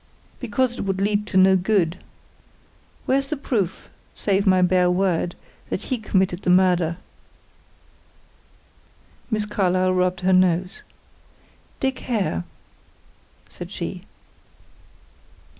"Because it would lead to no good. Where's the proof, save my bare word, that he committed the murder?" Miss Carlyle rubbed her nose. "Dick Hare," said she.